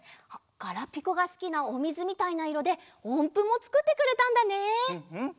ガラピコがすきなおみずみたいないろでおんぷもつくってくれたんだね。